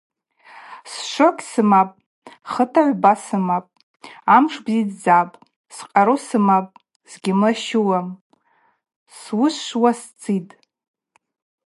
Сшвокь сымапӏ, хыта гӏвба сымапӏ, амш бзидздзапӏ, скъару сымапӏ, сгьымлащиуам – суышвуа сцитӏ.